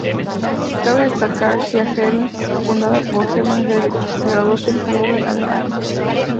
Cabe destacar Cia Hering, fundada por Hermann Hering, se graduó tejiendo en Alemania.